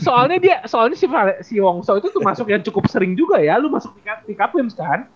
soalnya dia soalnya si si wongso itu tuh masuk yang cukup sering juga ya lu masuk pick up games kan